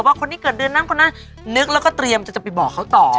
คนที่เกิดเดือนนั้นคนนั้นนึกแล้วก็เตรียมจะไปบอกเขาต่อ